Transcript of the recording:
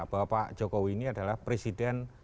bapak jokowi ini adalah presiden